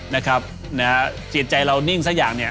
นะครับจิตใจเรานิ่งซะอย่างเนี่ย